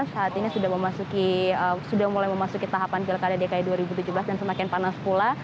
saat ini sudah mulai memasuki tahapan pilkada dki dua ribu tujuh belas dan semakin panas pula